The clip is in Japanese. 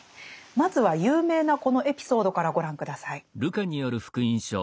まずは有名なこのエピソードからご覧下さい。